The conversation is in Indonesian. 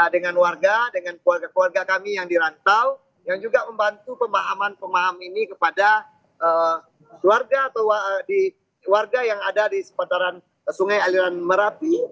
dengan warga dengan keluarga keluarga kami yang dirantau yang juga membantu pemahaman pemahaman ini kepada keluarga atau warga yang ada di seputaran sungai aliran merapi